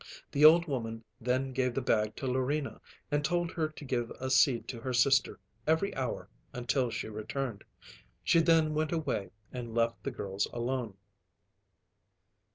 The old woman then gave the bag to Larina and told her to give a seed to her sister every hour until she returned. She then went away and left the girls alone.